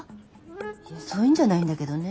いやそういうんじゃないんだけどね。